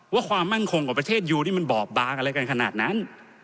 ความมั่นคงของประเทศยูนี่มันบอบบางอะไรกันขนาดนั้น